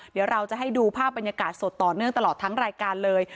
เดี๋ยวเราจะให้ดูภาพบรรยากาศสดต่อเนื่องตลอดทั้งรายการเลย